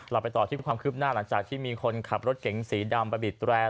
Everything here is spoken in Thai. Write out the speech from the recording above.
ไปต่อที่ความคืบหน้าหลังจากที่มีคนขับรถเก๋งสีดำไปบีดแรร์